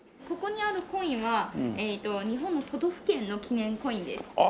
ここにあるコインは日本の都道府県の記念コインです。